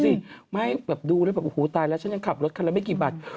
ไม่ใช่แบบว่าดูสิดูแล้วแบบอู๋ตายแล้วฉันยังขับรถกันละไม่กี่บาท